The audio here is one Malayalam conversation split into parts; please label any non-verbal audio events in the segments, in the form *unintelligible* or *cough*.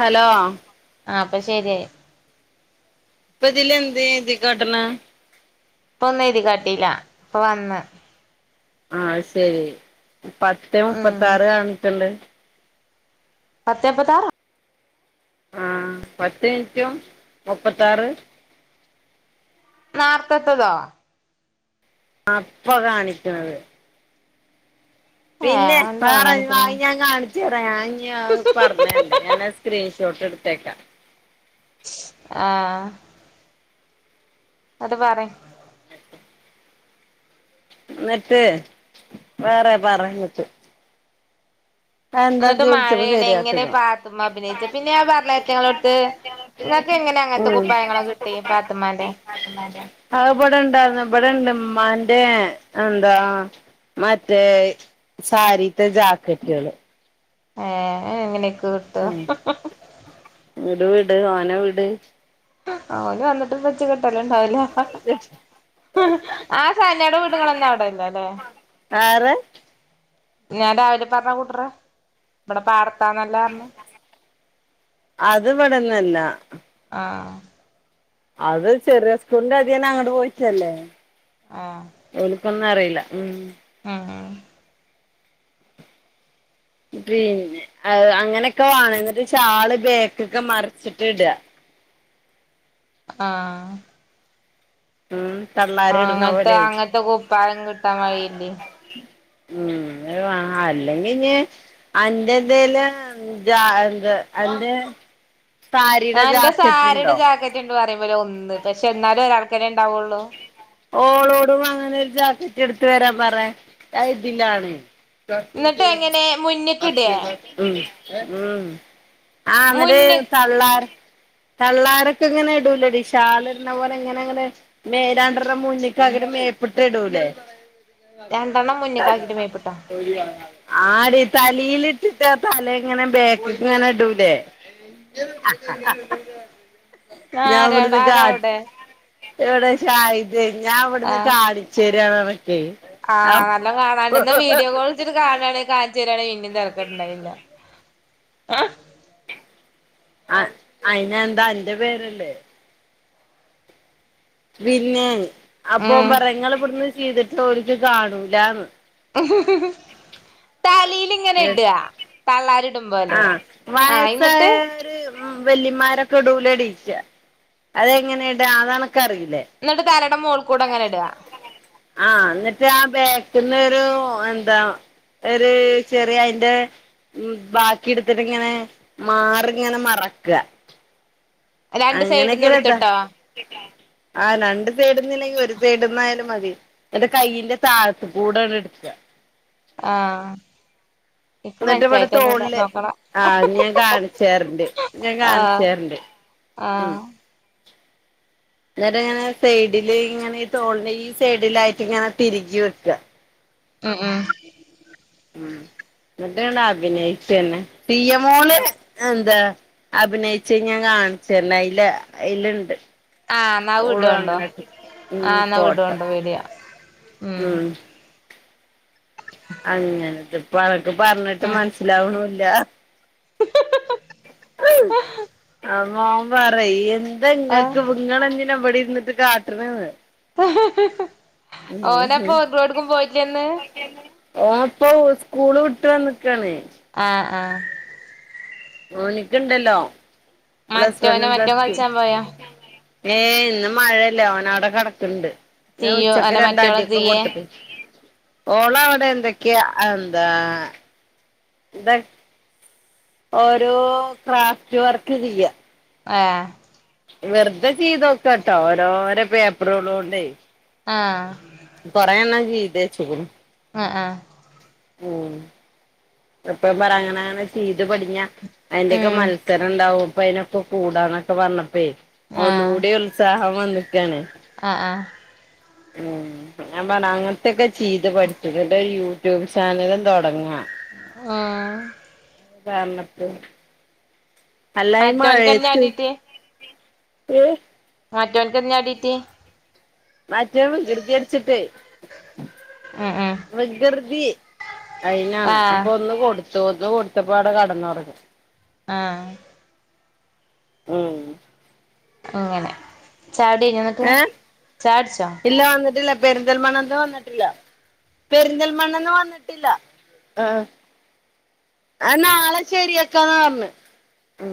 ഹലോ ആഹ് പ്പൊ ശെരിയായി പ്പതിൽ എന്തെ എയ്തി കാട്ട്ണെ പ്പൊന്നും എയ്തി കാട്ടില ഇപ്പൊ വന്ന്. ആഹ് ആയിസരി പത്തെ ഉം മുപ്പത്താറ് കാണിട്ട്ണ്ട് പത്തെ മുപ്പതാറോ? ആഹ്, പത്തു മിൻറ്റും മുപ്പത്താറ് നേർത്തത്തതോ? ആഹ് പ്പൊ കാണിക്കുന്നുണ്ട്. ഏ പിന്നെ എന്താ അങ്ങനെ വേറെ കാണിക്കണ *unintelligible* *unintelligible* ഞാഞ്ഞി പറഞ്ഞരണ്ട് ഞാനാ സ്ക്രീൻഷോട്ട് എടുത്തേക്ക. ആഹ് അത് പാറി ന്നിട്ട് വേറെ പറ ങ്ങട്ട് ന്നിട്ട് ഇജ്ജ് മഴ വിളിച്ചപ്പോ കണ്‌ എങ്ങനെ ശരിയാത്തത് പാത്തുമ അഭിനയിച്ചെ പിന്നെ ഞാൻ പറഞ്ഞിലെ അയ്റ്റങ്ങളട്ത്ത് ങ്ങക്കെങ്ങനെ അങ്ങൻത്തെ കുപ്പായങ്ങളൊക്കെ കിട്ടി പാത്തുമ്മാന്റെ ആത് ഇവിടെണ്ടാര്ന്ന് ഇവിടെണ്ട് ഇമ്മാന്റെ എന്താ മറ്റേ സാരീത്തെ ജാക്കറ്റുകൾ ഏഹ് എങ്ങനെയൊക്കു കിട്ട ങ്ങട് വീട് ഓനെ വിട് അഹ് ഓന് വന്നിട്ട് പച്ച് കിട്ടല്ണ്ടാവുല്ല ആഹ് സനെടെ വീട് ഇങ്ങളെന്നും അവിടെല്ലല്ലെ ആരെ? ഞാൻ രാവിലെ പറഞ്ഞ കൂട്ടറെ ഇവിടെ പാട ത്താ ന്നല്ലർഞ്ഞ് അത് ഇവടെന്നല്ല ആഹ് അത് ചെറിയ സ്കൂളന്റെ അതിയ്ന്ന് അങ്ങട് പോയിട്ടല്ലേ ആ അറിയില്ല ഉം ആഹ് ആഹ് പിന്നെ അത് അങ്ങനെക്കെ വേണം എന്നിട്ട് ചാള് ബേക്ക്ക്ക് മറിച്ചിട്ട് ഇട ആഹ് ഉം തള്ളാ ആഹ് അങ്ങൻത്തെ അങ്ങൻത്തെ കുപ്പാഴം കിട്ടാൻ വഴിയില്ലേ അഹ് അത് വാങ്ങ അല്ലെങ്കി ഞ് അന്റെന്തേല് ജാ എന്ത അന്റെ സാരിടെ ജാക്കറ്റ് ഇണ്ടോ? ണ്ട് പറയുമ്പോ ഒന്ന് പക്ഷെ ന്നാലും ഒരാക്കല്ലെ ഉണ്ടാവുള്ളൂ ഓളോട് വാണേ ഒരു ജാക്കറ്റ് എടുത്ത് വരാൻ പറെ അയ്ഇതിലാണ് ന്നട്ട് എങ്ങനെ മുന്നിക്ക് ഇടേ? ഉം ഉം ആ ന്ന്ട്ട് മുന്ന് ത തള്ളാര് തള്ളാരൊക്കെ ഇങ്ങനെ ഇടൂലെടി ഷാളിട്ന്ന പോലെ ഇങ്ങനെങ്ങനെ മേലാ രണ്ടെണ്ണം മുന്നിക്ക് ആക്കിട്ട് മേപ്പട്ട് ഇടൂല്ലേ രണ്ടെണ്ണം മുന്ന്ക്കാക്കിട്ട് മേപ്പിട്ടോ *unintelligible* ആടി തലീല് ഇട്ടിട്ട് ആ തല ഇങ്ങനെ ബേക്ക്ക്ക് ഇങ്ങനെ ഇടൂലേ ആരാട ഞാവിടെന്ന് ആരാ കാണ് അവിടെ വിടെ ഷാഹിദ് ഞാൻ ഇവിടുന്ന് ആഹ് കാണിച്ചേരിയാണൊക്കെ ആഹ് നല്ല കാണാണ്ട് ഇന്ന വീഡിയോ കോളിച്ചിട്ട് കാണണങ്കി കാണിച്ചു തരാണെങ്കി ഇതിന്റെ *unintelligible* ണ്ടായില്ല ആഹ് അയിനെന്താ അന്റെ പേരല്ലേ പിന്നെ അപ്പം ഓൻ ഉം പറയ ഇങ്ങള് ഇവിടുന്ന് ചെയ്തിട്ട് ഓല്ക്ക് കാണൂലാന്ന് തലിലിങ്ങനെ ഇട തള്ളാരിടുമ്പോലെ ആഹ് വയസായോരു വെല്ലിമാരൊക്കെ ഇടൂലെടി ക്കാ അതെങ്ങനെ ഇടാ അതനക്കറീലെ ന്ന്ട്ട് തലേട മോൾക്കൂടെങ്ങനെ ഇട ആഹ് എന്നിട്ട് ആ ബേക്ക്ന്നൊരു എന്താ ഒരു ചെറിയ അയ്ന്റെ ഉം ബാക്കി കിടുത്തിട്ട് ഇങ്ങനെ മാറിങ്ങനെ മറക്ക രണ്ട് സൈഡിൽന്ന് അങ്ങനെയൊക്കെല്ലത എടുത്തിട്ടോ ആ രണ്ട് സൈടിന്ന് ഇല്ലെങ്കിൽ ഒരു സൈടുന്നായാലും മതി ന്ന്ട്ട് കയ്യിന്റെ താഴത്ത് കൂടെണ്ട് ഇട്ക്ക ആഹ് നിക്ക് എന്നിട്ട് ഇവിടെ മനസായിട്ടൊന്നുല്ല തോളില് നോക്കണ ആഹ് ഞാൻ കാണിച്ചേരണ്ട് ഞാൻ ആഹ് കാണിച്ചേരണ്ട് ആഹ് ന്നിട്ടിങ്ങനെ സൈഡില് ഇങ്ങനെ ഈ തോളിന്റെ ഈ സൈഡിലായിട്ട് ഇങ്ങനെ തിരികി വെക്ക ഉം ഉം ഉം ഇന്നിട്ട് അങ്ങട് അഭിനയിക്കെന്നെ സിയമോള് എന്താ അഭിനയിച്ച ഞാൻ കാണിച്ചര്ണ്ട് അയ്ല് അയ്ല്ണ്ട് ആഹ് എന്നാ ഓള് വിടോണ്ടോ അങ്ങനെക്കെ ഉം ആഹ് എന്നാ ഫോട്ടം വിടോണ്ടോ വീഡിയോ ഉം അങ്ങനെത്തെ ഇപ്പോ അനക്ക് പറഞ്ഞിട്ട് ഉം മനസ്സിലാവണുല്ല ആഹ് മോൻ പറയ് എന്താ ആഹ് ഇങ്ങക്ക് പ് ഇങ്ങളെന്തിനാ ഇവിടെ ഇരിന്നിട്ട് കാട്ടണെന്ന് ഓനപ്പൊ ഓർലോടുക്കും പോയിട്ടില്ലന്ന് ഓൻ ഇപ്പൊ സ്കൂള് വിട്ട് വന്നിക്കാണ് ആഹ് ആഹ് ഓന്ക്ക്‌ ഇണ്ടല്ലോ പ്ലസ് മറ്റോനെ വണ്ണും മറ്റോൻ പ്ലസ് റ്റും കളിച്ചാൻ പോയോ ഏയ് ഇന്ന് മഴല്ലേ ഓൻ അവിടെ കിടക്ക്‌ണ്ട് ഞാൻ സിയു ഉച്ചക്ക് അല്ല രണ്ട് മറ്റോളെ അടിയൊക്കെ സിയെ കൊടുത്ത്ക്ക്ണ് ഓളവിടെ എന്തൊക്കെയ എന്താ ഇതാ ഓരോ ക്രാഫ്റ്റ് വർക്ക് ചെയ്യ എഹ് വെർതെ ചെയ്തോക്കാട്ടോ ഓരോരോ പേപ്പറുകള് കൊണ്ടെ ആഹ് കൊറെണ്ണം ചെയ്തു വെച്ചേക്ക്ണു ആഹ് ആഹ് ഉം ഇപ്പൊ പറ അങ്ങനെ അങ്ങനെ ചെയ്ത് പടിഞ്ഞാ അതിന്റെയൊക്കെ ഉം മത്സരം ഉണ്ടാവും ഇപ്പ അയ്ന ഇപ്പ കൂടാന്നൊക്കെ പറഞ്ഞപ്പെ ആഹ് ഒന്നുകൂടി ഉത്സാഹം വന്ന്ക്കാണ് ആഹ് ആഹ് ഉം ഞാൻ പറഞ്ഞ് അങ്ങനത്തെക്കെ ചെയ്ത് പഠിചൂട് എന്നിട്ട് യു യൂട്യൂബ് ചാനലും തൊടങ്ങാ ആഹ് പർഞ്ഞിറ്റ് അല്ല ഈ മറ്റോൻക്കെന്നെ മഴയത്ത് അടിട്ടി ഏഹ് മറ്റവനക്ക് എന്ത്‌ന്നാ അടീട്ടി മറ്റേവൻ വികൃതികാണിച്ചിട്ട് ഉം ഉം വികൃതി അയ്നാണ് ആഹ് അപ്പൊ ഒന്ന് കൊടു തോർന്ന് കൊടുത്തപ്പാടെ കടന്നു ഒറങ്ങി ആഹ് ഉം അങ്ങനെ ചായ കുടി കഴിഞ്ഞോ എന്നിട്ട് ഏഹ് ചായകുടിച്ചാ ഇല്ല വന്നിട്ടില്ല പെരിന്തൽമണ്ണേന്ന് വന്നിട്ടില്ല പെരിന്തൽമണ്ണേന്ന് വന്നിട്ടില്ല ആഹ് ആത് നാളെ ശെരിയാക്കാന്ന പറഞ്ഞ് ഉം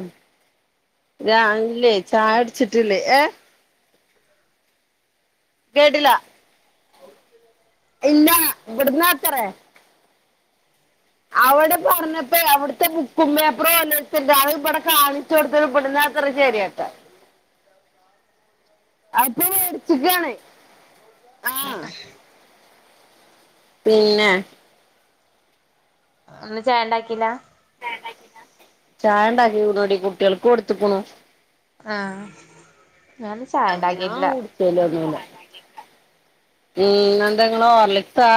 രാവിലെ ചായ കുടിച്ചിട്ടില്ലെ ഏഹ് കേട്ടില്ല ഇല്ല ഇവിടുന്നാത്രേ അവിടെ പറഞ്ഞപ്പെ അവിടുത്തെ ബുക്കും പേപ്പറും വല്ല *unintelligible* ഇവിടെ കാണിച്ചു കൊടുത്തത് വിടുന്ന പേപ്പറ് ശരിയാക്കാൻ അതിപ്പൊ മേടിച്ച്ക്കാണ് ആഹ് പിന്നെ ഇന്ന് ചായേണ്ടാക്കീല ചായ ണ്ടാക്കിഉള്ളെടി കുട്ടികൾക്ക് കൊടുത്ത് ക്കണു ആഹ് ഞാനിന്ന്‌ ആ ചായേണ്ടാക്കിട്ടില്ല *unintelligible* ഉം ഇന്ന് എന്താ നിങ്ങള് ഹോർലിക്സാ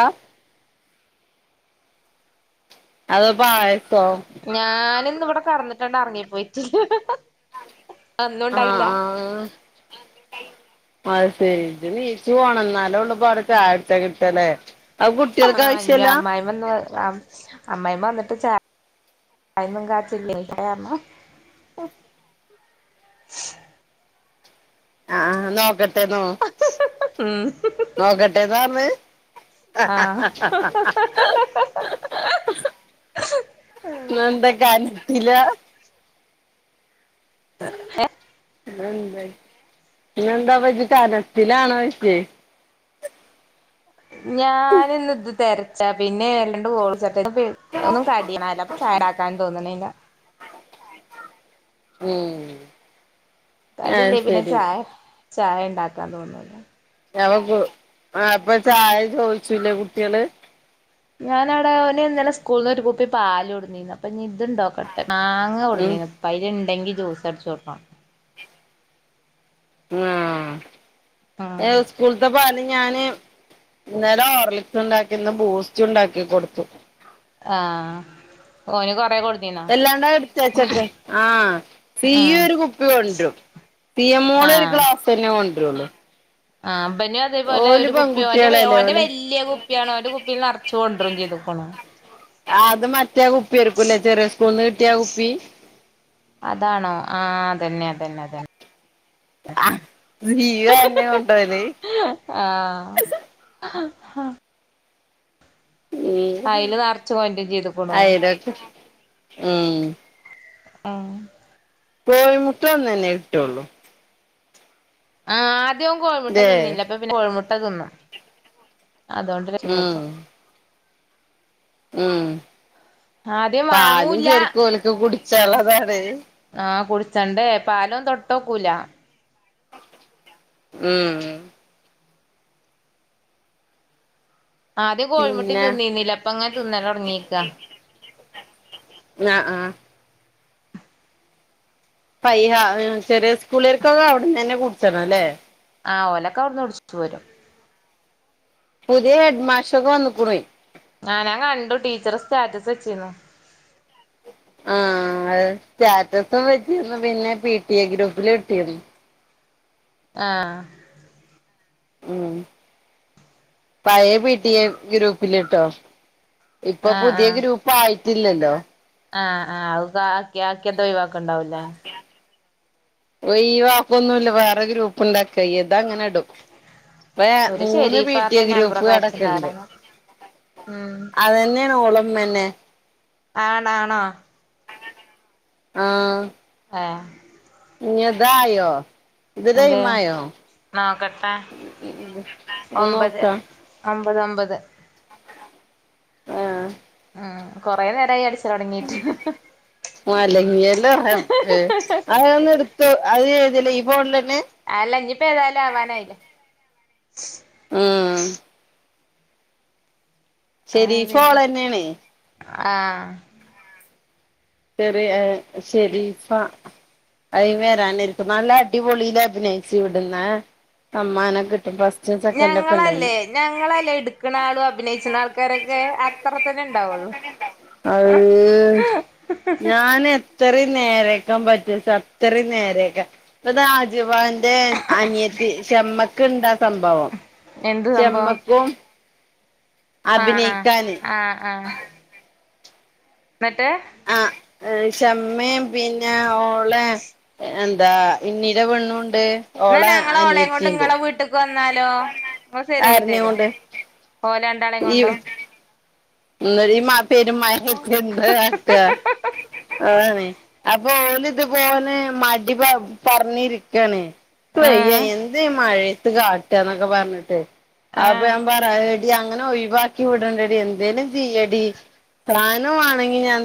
അതോ പായസോ ഞാന നിന്നിവിടെ കെടന്നിട്ടണ്ട് റങ്ങി പോയിട്ട് ആഹ ആഹ അ ശരി ഇജ്ജ് നീച്ച് പോണം എന്നാലേള്ള് പ്പ വിടെ ചായടിച്ച കിട്ടല്ലേ അത് കുട്ടികൾക്ക് ന്നി ആവശ്യമല്ല അമ്മായിമ്മന്ന് അ-അമ്മായിമ്മ വന്നിട്ട്ചാ *unintelligible* ആഹ നോക്കട്ടെനോ നോക്കട്ടെന്നാ പറഞ്ഞത് ആ ആഹ് *unintelligible* ന്ന്‌ ന്താ കണട്ടില്ല *unintelligible* ന്നന്തായി പിന്നെന്താ പ കന ത്തിലാണാ ഴിച്ചേ ഞാന ഇന്ന ഇത് തരച്ച പിന്നെ വല്ലാണ്ട് കോള് തെര ഒന്നും കടിയണല്ല അപ്പൊ ചായആ ക്കാൻ തോനണില്ല ഉം ആഹ് കടില്ലേ പിന്നെ ശരി ചായ ചായ ഉണ്ടാക്കാൻ തോന്നൂല പ്പ ആ ഇപ്പൊ ചായ ചോദിച്ചുല്ലേ കുട്ടികള് ഞാനവിടെനെ ഇന്നലെ സ്കൂളി ന്ന് ഒരു കുപ്പി പാലൊണ്ട ന്നിന് *unintelligible* ഇതുണ്ടോ മാങ്ങ ഉം കൊടുന്നീന് തൈര് ണ്ടെങ്കി ജ്യൂസ് അടിച്ച് കൊടുക്കണം ആഹ *unintelligible* സ്കൂളത്തെ പോല ഞാന് ഇന്നലെ ഓർലിക്സ് ഉണ്ടാക്കിന്ന് ബൂസ്റ്റ് ഉണ്ടാക്കി കൊടുത്തു ആഹ ഓന് കൊറ കൊടു വല്ലാണ്ടാ എടുത്തേച്ചട്ടെ ആഹ് സീയു ഉം ഒരു കുപ്പി കൊണ്ടുരും സിയ മോള് ഒരു ആഹ് ക്ലാസന്നെ കൊണ്ടുവരുള്ളു ആഹ് ബന്യാ അതേപോലെ ഒരു കുപ്പിയോ അവന്റെ പെൺകുട്ടികളല്ലേ ഓന്റെ ഓല് വലിയ കുപ്പിയാണ് അവന്റെ കുപ്പിൽ നിറച്ച് കൊണ്ടരും ചെയ്തക്കൊണു - ആ അത് മറ്റേ കുപ്പി ആര്ക്കൂലേ ചെറിയ സ്കൂൾന്ന് കിട്ടിയ കുപ്പി അതാണോ ആ അതന്നെ അതന്നെ അതന്നെ നീവ അന്നെ കൊണ്ടോവല് ആഹ് ഉം കയില് നിറച്ചും *unintelligible* ചെയ്തുക്കണോ അയിലൊക്കെ ഉം ആഹ് കോയിമുട്ട ഒന്നന്നെ കിട്ടുള്ളൂ ആഹ് ആദ്യം ഇവൻ കോഴിമുട്ട ല്ലേ തിന്നില്ല അപ്പൊ പിന്നെ കോഴിമുട്ട തിന്നും അതുകൊണ്ട് ഉം രക്ഷപ്പെട്ടു ഉം ആദ്യം പാലും വാങ്ങൂല്ല ശരിക്കും ഓല്ക്ക് കുടിച്ചുള്ളതാണ് ആഹ് കുടിച്ചണ്ടേ പാല് തൊട്ടോക്കൂല ഉം ആദ്യം കോഴി മുട്ടീം പിന്നെ തിന്നീന്നുന്നില്ല അപ്പൊ അങ്ങൻ തിന്നാ തൊടങ്ങിക്കാ ആഹ് ആഹ് പയ്യാ ചെറിയ സ്കൂളിലൾക്കൊക്കെ അവിടന്നന്നെ കുടിച്ചണം അല്ലേ ആഹ് ഓലൊക്കെ അവിടുന്ന് കുടിച്ചിട്ട് പോരും പുതിയ ഹെഡ് മാഷ് ഒക്കെ വന്നിക്കുണേ ആഹ് ഞാൻ കണ്ടു ടീച്ചർ സ്റ്റാറ്റസ് വെച്ചിരുന്നു ആഹ് സ്റ്റാറ്റസും വച്ചിരുന്നു പിന്നെ പി ടി എ ഗ്രൂപ്പിൽ ഇട്ടിരുന്നു ആഹ് ഉം പയേ പി റ്റി എ ഗ്രൂപ്പിലിട്ടോ ഇപ്പൊ ആഹ് പുതിയ ആഹ് ഗ്രൂപ്പ് ആയിട്ടില്ലല്ലോ ആഹ് ആഹ് ആക്കി ആക്കിയട്ട് ഒയിവാക്കണ്ടാവൂലേ *unintelligible* ഓയ്യോ അവക്കൊന്നും ഇല്ല വേറെ ഗ്രൂപ്പ് ഇണ്ടാക്ക ഇതാ അങ്ങനെ ഇടും ഇപ്പൊ ഒരു മൂന്ന് പി ടി ഷെരീഫാറിന്റെ എ ഗ്രൂപ്പ് നമ്പറൊക്കെ അയച്ചിണ്ടാരാ കിടക്ക്ണ്ട് ഉം അതന്നേണ് ഓളമ്മന്നെ ആണാ ആണോ ആഹ് ഏഹ് ഇനി ഇതായോ ഇത് എന്ത് ടൈമായോ നോക്കട്ടെ ഒന്ന് ഒമ്പത് നോക്കാ ഒമ്പത് ഒമ്പത് ആഹ് ഉം കൊറേ നേരായി അടി മലങ്ങിയല്ല റബ്ബേ അതൊന്ന് ഇട് അത് ചെയ്തിലാ ഈ ഫോണിലന്നെ അല്ലഞ്ഞിപ്പ ഏതായാലും ആവാനായിലെ ഉം ആ ശെരീ പിന്നെ ഫോളന്നെണേ ആഹ് ശെരിയാ ഷെരീഫാ അയി വരാനിരിക്ക നല്ല അടിപൊളിയില് അഭിനയിച്ച് വിടുന്ന സമ്മാനൊക്കെട്ടി ഫസ് ഞങ്ങളല്ലേ ഞങ്ങളല്ലേ ഇടുക്കണ ആളും അഭിനയിച്ചണ ആൾക്കാരൊക്കെ അത്ര തന്നെണ്ടാവൊള്ളു അത് അത്ര നേരാക്കാൻ പറ്റൂ അത്ര നേരേക്കെ ഇപ്പൊ രാജബാൻ അനിയത്തി ശമ്മക്ക്ണ്ടാ സംഭവം എന്ത് സംഭവം ചെമ്മക്കും ആഹ് ആഹ് ആഹ് ആഹ് ന്നിട്ട് ആ ചമ്മേം പിന്നെ ഓളെ എന്താ ഇണ്ണീടെ പെണ്ണുണ്ട് ന്നാ ഓളെ ഞങ്ങള് ഓളേം കൊണ്ട് അനിയത്തിണ്ട് ങ്ങളെ വീട്ട്ക്ക് പ്പം വന്നാലോ ഇങ്ങൾ ശരിയാക്കി ആരനേം തരോ? കൊണ്ട് ഓലെണ്ടാളെ കൊണ്ടോ *unintelligible* പെരും മഴത്ത് ഇജെന്താ കാട്ടാ അതാണ് അപ്പൊ ഓല് ഇത്പോലെ മടി പറ് പറ്ഞ്ഞിരിക്കാണ് ഇൻക്ക് വയ്യ ഏഹ് എന്ത് മഴയത്ത് കാട്ടാന്നൊക്കെ പറഞ്ഞിട്ട് അപ്പൊ ഏഹ് ഞാൻ പറയാ ഹ് അങ്ങനെ ഒഴിവാക്കി വിടണ്ടടി എന്തേലും ചെയ്യടി പ്ലാൻ വാണെങ്കി ഞാൻ